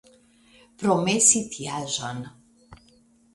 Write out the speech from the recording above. Promesi tiaĵon !